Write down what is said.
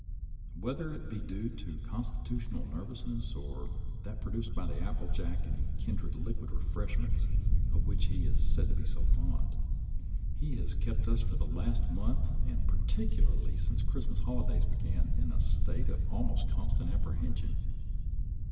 Whether it be due to constitutional nervousness, or to that pro duced by the apple jack and kindred liquid re freshments of which he is said to be so fond, he 18 SOLDIER'S LETTERS TO CHARMING NELLIE has kept us for the last month, and particularly since the Christmas holidays began, in a state of almost constant apprehension.